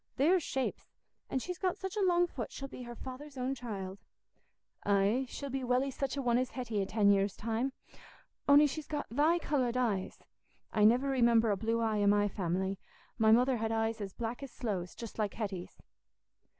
"There's shapes! An' she's got such a long foot, she'll be her father's own child." "Aye, she'll be welly such a one as Hetty i' ten years' time, on'y she's got thy coloured eyes. I niver remember a blue eye i' my family; my mother had eyes as black as sloes, just like Hetty's."